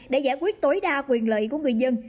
để giải quyết tối đa quyền lợi của người dân